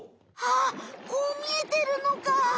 あっこうみえてるのか！